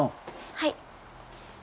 はい。